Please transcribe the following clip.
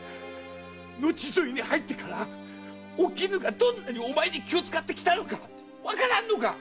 後添えに入ってからお絹がどんなにお前に気を遣ってきたのかわからんのかっ⁉